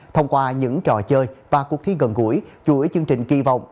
thông qua những trò chơi và cuộc thi gần gũi chuỗi chương trình kỳ vọng